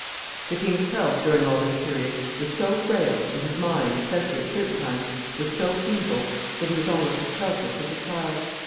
The king's health during all this period was so frail, and his mind, especially at certain times, was so feeble, that he was almost as helpless as a child.